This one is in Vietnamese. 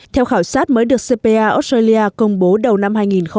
theo khảo sát mới được cpa australia công bố đầu năm hai nghìn một mươi chín